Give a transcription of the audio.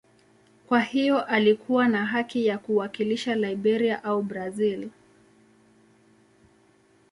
Kwa hiyo alikuwa na haki ya kuwakilisha Liberia au Brazil.